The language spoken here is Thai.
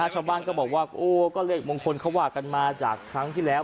ชาวบ้านก็บอกว่าโอ้ก็เลขมงคลเขาว่ากันมาจากครั้งที่แล้ว